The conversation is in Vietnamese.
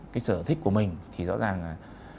cái sở thích của mình thì rõ ràng là